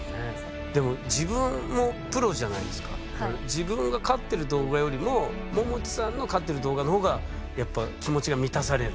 自分が勝ってる動画よりもももちさんの勝ってる動画の方がやっぱ気持ちが満たされる？